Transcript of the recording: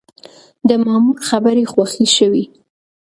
د مامور خبرې خوښې شوې.